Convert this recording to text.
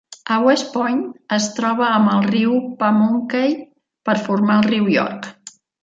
A West Point, es troba amb el riu Pamunkey per formar el riu York.